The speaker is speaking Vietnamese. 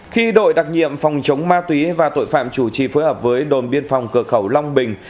khi đội đặc nhiệm phòng chống ma túy và tội phạm chủ trì phối hợp với đồn biên phòng cửa khẩu long bình